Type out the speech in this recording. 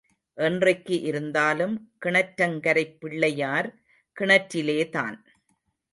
என்றைக்கு இருந்தாலும் கிணற்றங்கரைப் பிள்ளையார் கிணற்றிலேதான்.